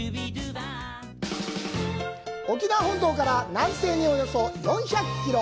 沖縄本島から南西におよそ４００キロ。